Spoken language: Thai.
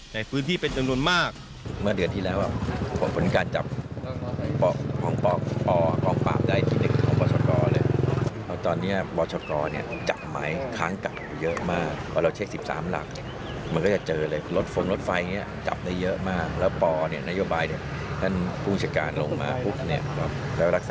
ในพื้นที่เป็นจังหลวนมาก